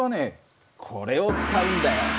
これを使うんだよ。